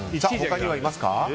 他にはいますか？